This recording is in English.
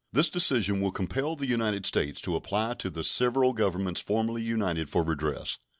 This decision will compel the United States to apply to the several Governments formerly united for redress.